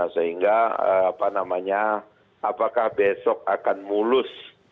sehingga apa namanya apakah besok akan mulus